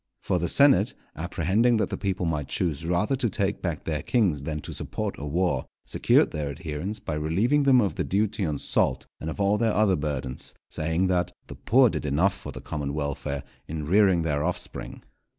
For the senate, apprehending that the people might choose rather to take back their kings than to support a war, secured their adherence by relieving them of the duty on salt and of all their other burthens; saying that "_the poor did enough for the common welfare in rearing their offspring.